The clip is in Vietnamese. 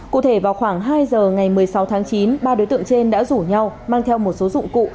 cụ thể vào khoảng hai giờ ngày một mươi sáu tháng chín ba đối tượng trên đã rủ nhau mang theo một số dụng cụ